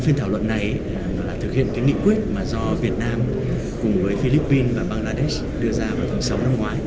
phiên thảo luận này thực hiện nghị quyết do việt nam cùng với philippines và bangladesh đưa ra vào tháng sáu năm ngoái